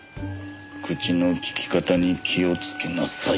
口の利き方に気をつけなさい。